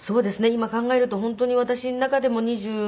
今考えると本当に私の中でも２５年という。